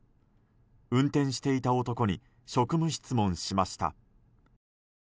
運転していた男に職務質問しました。